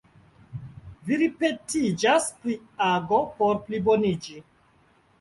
Vi ripetiĝas pri ago por pliboniĝi.